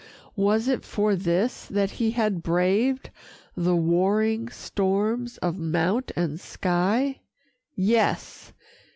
Was it for this that he had braved The warring storms of mount and sky? Yes!